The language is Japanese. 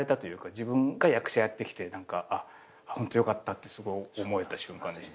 自分が役者やってきてホントよかったってすごい思えた瞬間でした。